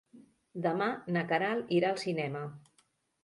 Demà na Queralt irà al cinema.